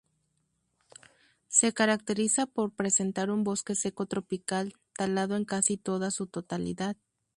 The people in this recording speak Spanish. Se caracteriza por presentar un bosque seco tropical, talado en casi toda su totalidad.